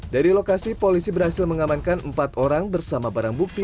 dari lokasi polisi berhasil mengamankan empat orang bersama barang bukti